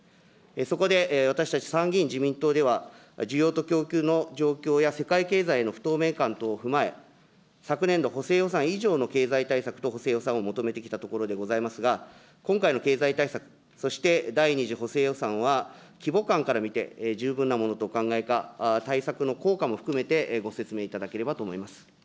そこで私たち参議院自民党では、需要と供給の状況や世界経済への不透明感等を踏まえ、昨年度補正予算以上の経済対策と補正予算を求めてきたところでございますが、今回の経済対策、そして第２次補正予算は規模感から見て、十分なものとお考えか、対策の効果も含めてご説明いただければと思います。